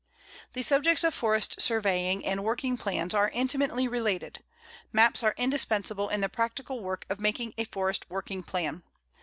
The subjects of forest surveying and working plans are intimately related. Maps are indispensable in the practical work of making a forest working plan.